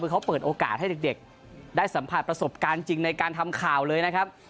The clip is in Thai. คือเขาเปิดโอกาสให้เด็กได้สัมผัสประสบการณ์จริงในการทำข่าวเลยนะครับ